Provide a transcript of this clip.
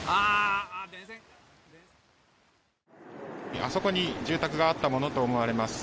あそこに住宅があったものと思われます。